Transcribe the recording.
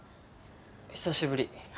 久しぶり